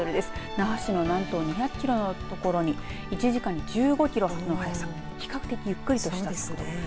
那覇市の南東２００キロのところに１時間に１５キロほどの速さ比較的ゆっくりとした速さ。